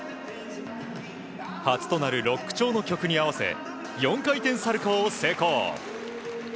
初となるロック調の曲に合わせ４回転サルコウを成功。